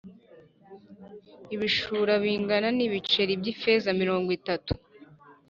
Ibishura bingana n’ ibiceri by’ ifeza mirongo itatu